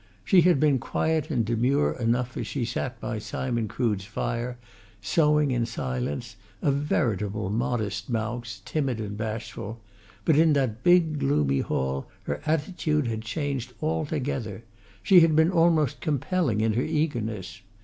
She had been quiet and demure enough as she sat by Simon Crood's fire, sewing, in silence, a veritable modest mouse, timid and bashful; but in that big, gloomy hall her attitude had changed altogether she had been almost compelling in her eagerness.